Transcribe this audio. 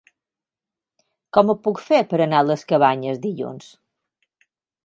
Com ho puc fer per anar a les Cabanyes dilluns?